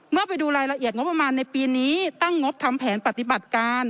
ไปดูรายละเอียดงบประมาณในปีนี้ตั้งงบทำแผนปฏิบัติการ